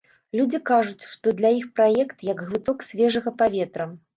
Людзі кажуць, што для іх праект як глыток свежага паветра.